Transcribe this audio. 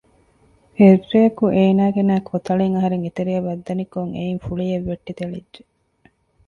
އެއްރެއަކު އޭނާ ގެނައި ކޮތަޅެއް އަހަރެން އެތެރެއަށް ވައްދަނިކޮށް އެއިން ފުޅިއެއް ވެއްޓި ތެޅިއްޖެ